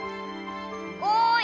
おい！